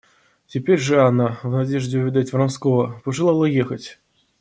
Теперь же Анна, в надежде увидать Вронского, пожелала ехать.